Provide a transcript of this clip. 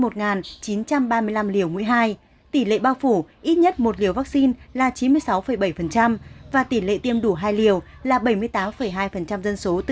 tỷ lệ bao phủ ít nhất một liều vaccine là chín mươi sáu bảy và tỷ lệ tiêm đủ hai liều là bảy mươi tám hai dân số